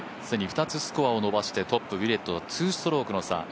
既に２つスコアを伸ばして、トップのウィレットとは２ストロークの差。